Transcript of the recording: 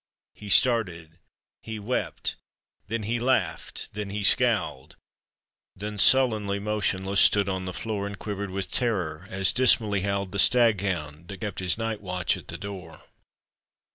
He started, he wept, then he laughed, then he scowled, Then sullenly motionless stood on the floor, And quivered with terror as dismally howled The stag hound that kept his night watch at the door.